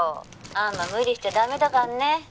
あんま無理しちゃダメだかんね。